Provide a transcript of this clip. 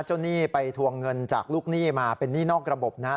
เจ้าหนี้ไปทวงเงินจากลูกหนี้มาเป็นนี่นอกระบบนะฮะ